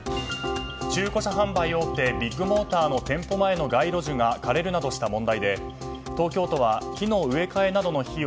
中古車販売大手ビッグモーターの店舗前の街路樹が枯れるなどした問題で東京都は木の植え替えなどの費用